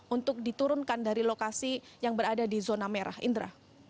untuk diturunkan dari lokasi yang berada di zona merah indra